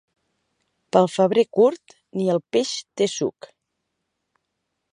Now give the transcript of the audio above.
Pel febrer curt, ni el peix té suc.